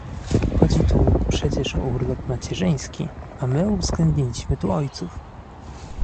Chodzi tu przecież o urlop macierzyński, a my uwzględniliśmy tu ojców